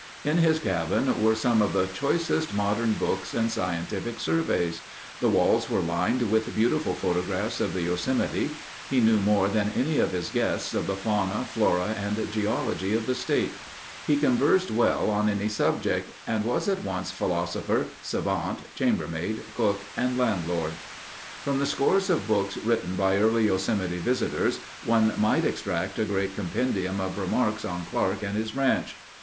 In his cabin were some of the choicest modern books and scientific surveys; the walls were lined with beautiful photographs of the Yosemite; he knew more than any of his guests of the fauna, flora, and geology of the State; he conversed well on any subject, and was at once philosopher, savant, chambermaid, cook, and landlord. From the scores of books written by early Yosemite visitors, one might extract a great compendium of remarks on Clark and his ranch.